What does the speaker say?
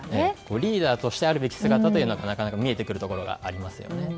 リーダーとしてあるべき姿というのがなかなか見えてくるところがありますよね。